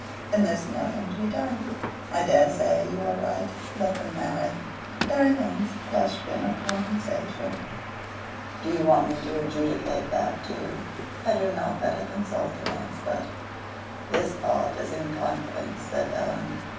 "Then there's nothing to be done. I dare say you are right. Let them marry. There remains the question of compensation. " "Do you want me to adjudicate that too? Had you not better consult an expert?" "This part is in confidence," said Helen.